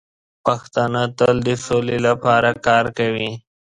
پښتانه تل د سولې لپاره کار کوي.